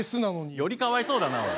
よりかわいそうだなおい。